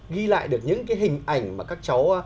ghi lại được những cái hình ảnh mà các cháu